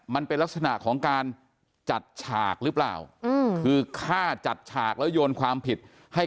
มันเป็นลักษณะของการจัดฉากรึเปล่า